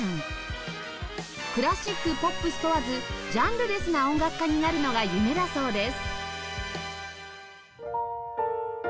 クラシックポップス問わずジャンルレスな音楽家になるのが夢だそうです